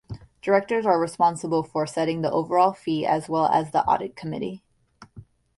Directors are responsible for setting the overall fee as well as the audit committee.